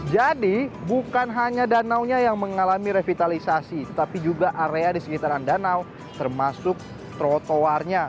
bukan hanya danaunya yang mengalami revitalisasi tetapi juga area di sekitaran danau termasuk trotoarnya